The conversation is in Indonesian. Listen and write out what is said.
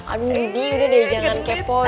aduh bibi udah deh jangan kepo ya